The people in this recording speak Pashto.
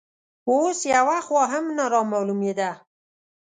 اوس یوه خوا هم نه رامالومېده